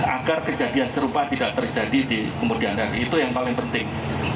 agar kejadian serupa tidak terjadi di kemudian hari itu yang paling penting